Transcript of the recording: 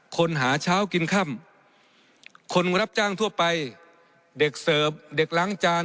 คนหาเช้ากินค่ำคนรับจ้างทั่วไปเด็กเสิร์ฟเด็กล้างจาน